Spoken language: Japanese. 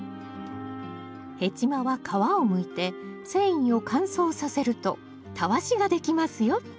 ヘチマは皮をむいて繊維を乾燥させるとたわしができますよ